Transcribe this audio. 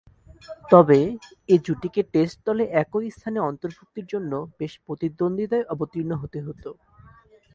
তবে, এ জুটিকে টেস্ট দলে একই স্থানে অন্তর্ভূক্তির জন্য বেশ প্রতিদ্বন্দ্বিতায় অবতীর্ণ হতে হতো।